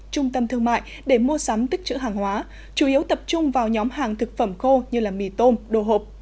trung tâm thương mại để mua sắm tích chữ hàng hóa chủ yếu tập trung vào nhóm hàng thực phẩm khô như mì tôm đồ hộp